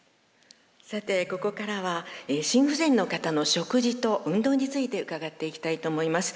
さてここからは心不全の方の食事と運動について伺っていきたいと思います。